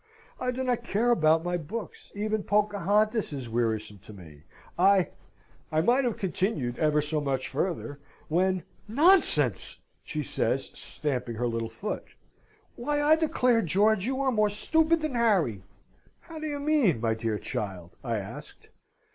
I do not care about my books. Even Pocahontas is wearisome to me. I..." I might have continued ever so much further, when, "Nonsense!" she says, stamping her little foot. "Why, I declare, George, you are more stupid than Harry!" "How do you mean, my dear child?" I asked.